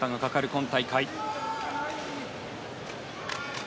今大会。